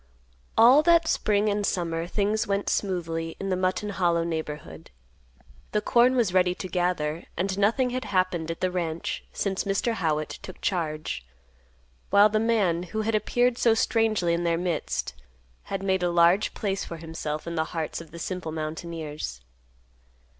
All that spring and summer things went smoothly in the Mutton Hollow neighborhood. The corn was ready to gather, and nothing had happened at the ranch since Mr. Howitt took charge, while the man, who had appeared so strangely in their midst, had made a large place for himself in the hearts of the simple mountaineers.